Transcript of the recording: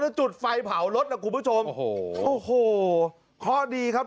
แล้วจุดไฟเผารถนะคุณผู้ชมโอ้โหโอ้โหข้อดีครับ